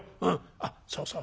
あっそうそう